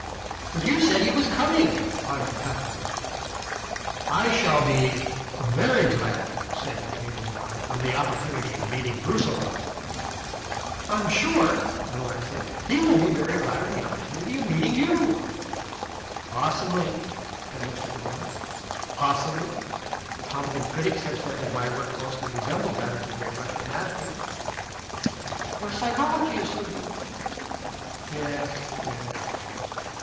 "But you said he was coming," argued Cuthbert. "I shall be very glad," said Raymond Devine, "of the opportunity of meeting Brusiloff." "I'm sure," said Adeline, "he will be very glad of the opportunity of meeting you." "Possibly," said Mr. Devine. "Possibly. Competent critics have said that my work closely resembles that of the great Russian Masters." "Your psychology is so deep." "Yes, yes."